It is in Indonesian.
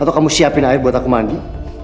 atau kamu siapin air buat aku mandi